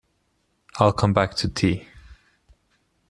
I'll come back to tea.